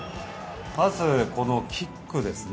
まず、キックですね。